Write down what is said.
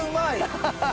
ハハハ！